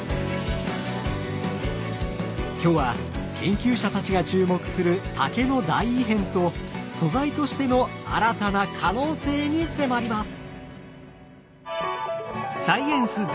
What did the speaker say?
今日は研究者たちが注目する竹の大異変と素材としての新たな可能性に迫ります！